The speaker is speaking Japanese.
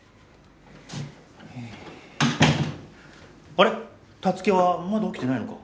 あれタツキはまだ起きてないのか？